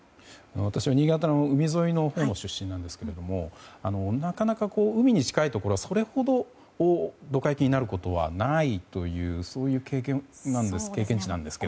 私は新潟の海沿いのほうの出身なんですがなかなか海に近いところはそれほどドカ雪になることはないというそういう経験値なんですけども。